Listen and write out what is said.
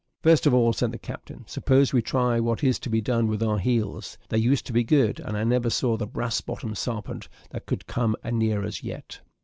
"First of all," said the captain, "suppose we try what is to be done with our heels. They used to be good, and I never saw the brass bottomed sarpent that could come anear us yet.